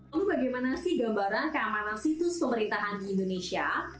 lalu bagaimana sih gambaran keamanan situs pemerintahan di indonesia